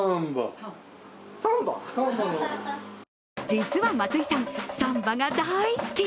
実は松井さん、サンバが大好き。